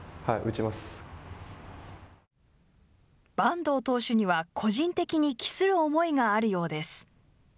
板東投手には、個人的に期する思いがあるようです。